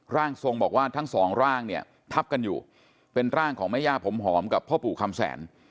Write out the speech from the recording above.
ร่างทรงบอกว่าทั้งสองร่างเนี่ยทับกันอยู่เป็นร่างของแม่ย่าผมหอมกับพ่อปู่คำแสน